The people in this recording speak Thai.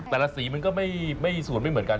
แต่ละสีมันก็ส่วนไม่เหมือนกันใช่ไหมครับ